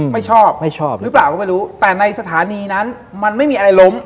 ไม่ชอบไม่ชอบหรือเปล่าก็ไม่รู้แต่ในสถานีนั้นมันไม่มีอะไรล้ม